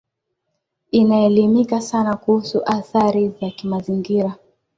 inaelimika sana kuhusu adhari za kimazingira